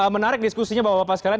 menarik diskusinya bapak bapak sekalian